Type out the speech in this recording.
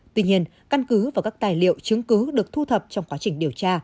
tuy nhiên căn cứ và các tài liệu chứng cứ được thu thập trong quá trình điều tra